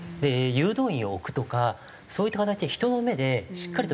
誘導員を置くとかそういった形で人の目でしっかりと見ていく。